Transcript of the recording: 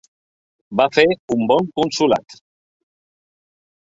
Va fer un bon consolat.